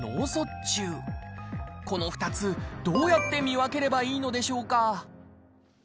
この２つどうやって見分ければいいのでしょうか？